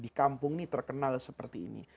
di kampung ini terkenal seperti ini